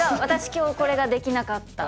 今日これができなかった。